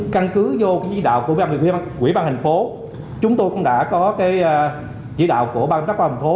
căn cứ vô cái chỉ đạo của quỹ ban thành phố chúng tôi cũng đã có cái chỉ đạo của ban phát hành phố